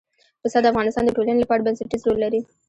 پسه د افغانستان د ټولنې لپاره بنسټيز رول لري.